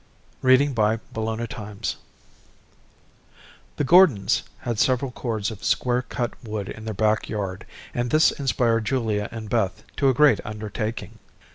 CHAPTER VI House Building The Gordons had several cords of square cut wood in their back yard, and this inspired Julia and Beth to a great undertaking.